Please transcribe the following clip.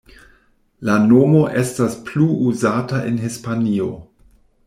La nomo estas plu uzata en Hispanio.